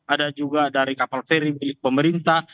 ada juga dari kapal feri milik pemerintah